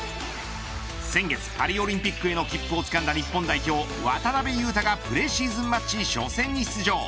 先月パリオリンピックへの切符をつかんだ日本代表、渡邊雄太がプレシーズンマッチ初戦に出場。